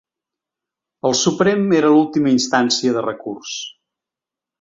El Suprem era l’última instància de recurs.